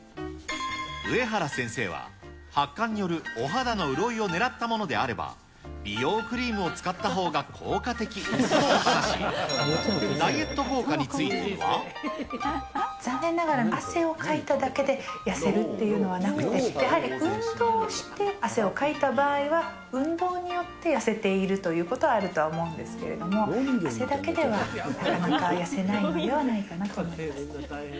上原先生は、発汗によるお肌の潤いをねらったものであれば、美容クリームを使ったほうが効果的と話し、ダイエット効果については。残念ながら汗をかいただけで痩せるっていうのはなくて、やはり運動をして汗をかいた場合は、運動によって痩せているということはあるとは思うんですけど、汗だけではなかなか痩せないのではないかなと思います。